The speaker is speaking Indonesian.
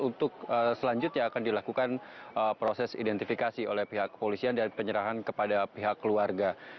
untuk selanjutnya akan dilakukan proses identifikasi oleh pihak kepolisian dan penyerahan kepada pihak keluarga